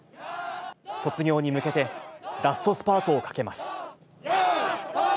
卒業に向けて、ラストスパートをかけます。